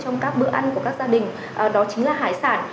trong các bữa ăn của các gia đình đó chính là hải sản